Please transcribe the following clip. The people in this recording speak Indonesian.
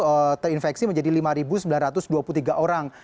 dengan jumlah orang yang terinfeksi menjadi lima sembilan ratus dua puluh tiga orang